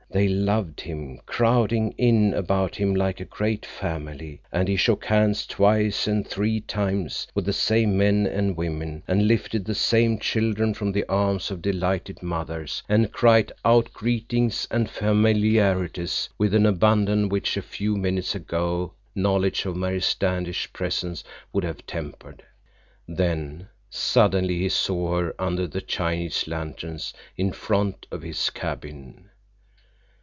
They loved him, crowding in about him like a great family, and he shook hands twice and three times with the same men and women, and lifted the same children from the arms of delighted mothers, and cried out greetings and familiarities with an abandon which a few minutes ago knowledge of Mary Standish's presence would have tempered. Then, suddenly, he saw her under the Chinese lanterns in front of his cabin.